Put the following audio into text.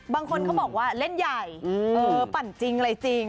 บางคนเขาบอกว่าเล่นใหญ่ปั่นจริงอะไรจริง